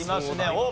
おっ！